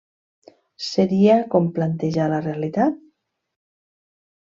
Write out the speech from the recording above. Seria com plantejar la realitat?